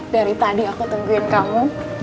dari tadi aku tempurin kamu